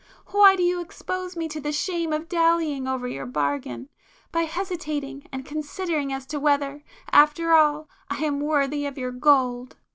Why do you expose me to the shame of dallying over your bargain?—by hesitating and considering as to whether, after all, I am worthy of your gold!"